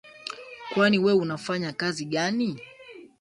Kwani we unafanya kazi gani?